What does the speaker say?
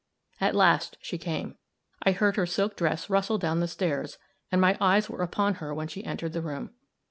At last she came. I heard her silk dress rustle down the stairs, and my eyes were upon her when she entered the room.